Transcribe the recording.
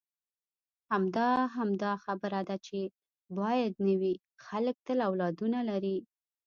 همدا، همدا خبره ده چې باید نه وي، خلک تل اولادونه لري.